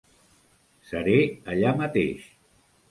Seré allà mateix.